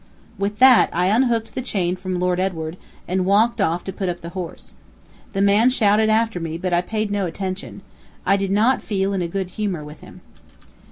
With that, I unhooked the chain from Lord Edward, and walked off to put up the horse. The man shouted after me, but I paid no attention. I did not feel in a good humor with him.